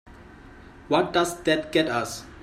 What does that get us?